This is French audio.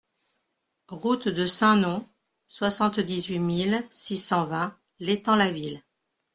Route de Saint-Nom, soixante-dix-huit mille six cent vingt L'Étang-la-Ville